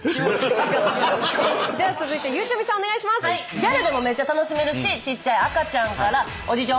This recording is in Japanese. ギャルでもめっちゃ楽しめるしちっちゃい赤ちゃんからおじいちゃん